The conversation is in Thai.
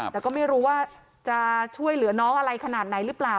แต่ก็ไม่รู้ว่าจะช่วยเหลือน้องอะไรขนาดไหนหรือเปล่า